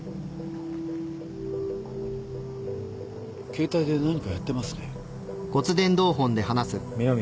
携帯で何かやってますね。